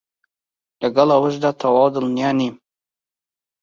لەگەڵ ئەوەشدا تەواو دڵنیا نیم